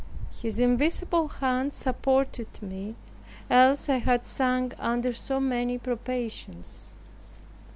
His invisible hand supported me; else I had sunk under so many probations.